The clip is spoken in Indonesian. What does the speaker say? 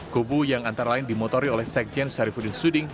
kubu yang antara lain dimotori oleh sekjen syarifudin suding